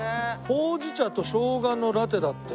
ほうじ茶と生姜のラテだって。